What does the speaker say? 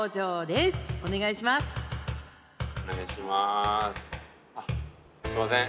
すみません